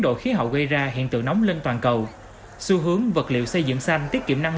độ khí hậu gây ra hiện tượng nóng lên toàn cầu xu hướng vật liệu xây dựng xanh tiết kiệm năng